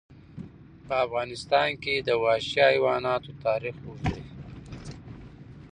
په افغانستان کې د وحشي حیوانات تاریخ اوږد دی.